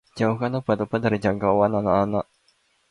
Jauhkan obat-obatan dari jangkauan anak-anak.